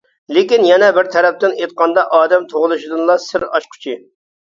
لېكىن، يەنە بىر تەرەپتىن ئېيتقاندا، ئادەم تۇغۇلۇشىدىنلا سىر ئاچقۇچى.